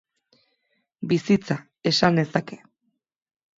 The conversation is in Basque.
Bizitza, esan nezake.